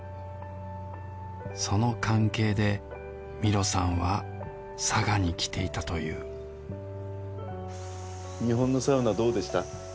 その関係でミロさんは佐賀に来ていたという日本のサウナどうでした？